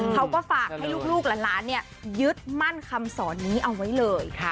เขาก็ฝากให้ลูกหลานยึดมั่นคำสอนนี้เอาไว้เลย